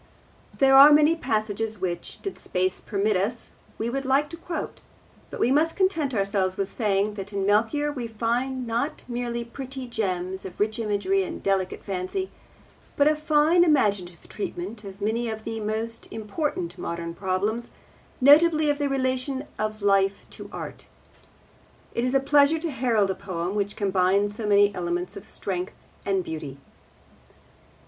There are many passages which, did space permit us, we would like to quote, but we must content ourselves with saying that in Melchior we find not merely pretty gems of rich imagery and delicate fancy, but a fine imaginative treatment of many of the most important modern problems, notably of the relation of life to art. It is a pleasure to herald a poem which combines so many elements of strength and beauty.